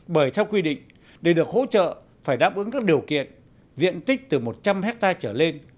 bởi theo quy định để được hỗ trợ phải đáp ứng các điều kiện diện tích từ một trăm linh hectare trở lên